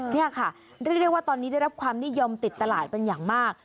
นี่ค่ะเรียกได้ว่าตอนนี้ได้รับความนิยมติดตลาดเป็นอย่างมาก